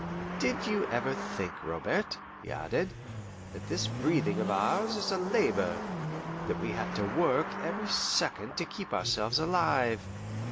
Did you ever think, Robert," he added, "that this breathing of ours is a labor, and that we have to work every second to keep ourselves alive?